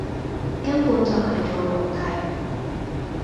根本就係做奴隸